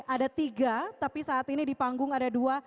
ada tiga tapi saat ini di panggung ada dua